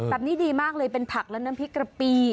แบบนี้ดีมากเลยเป็นผักและน้ำพริกกระปี